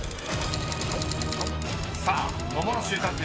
［さあ桃の収穫量